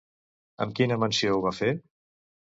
Amb quina menció ho va fer?